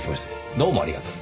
どうもありがとう。